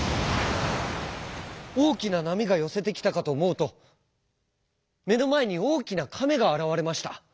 おおきななみがよせてきたかとおもうとめのまえにおおきなかめがあらわれました。